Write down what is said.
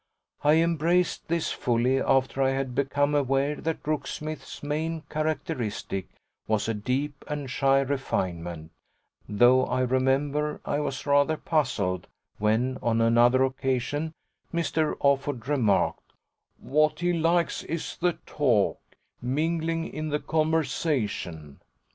I embraced this fully after I had become aware that Brooksmith's main characteristic was a deep and shy refinement, though I remember I was rather puzzled when, on another occasion, Mr. Offord remarked: "What he likes is the talk mingling in the conversation."